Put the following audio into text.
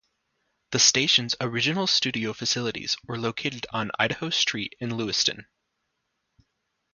The station's original studio facilities were located on Idaho Street in Lewiston.